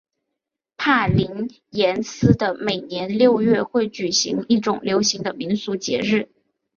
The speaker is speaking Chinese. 帕林廷斯的每年六月会举行一种流行的民俗节日。